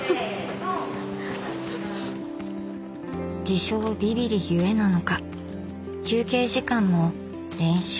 自称「ビビり」ゆえなのか休憩時間も練習。